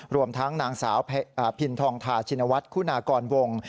รวมทั้งนางสาวพินทองทาชินวัฒน์คุณากรวง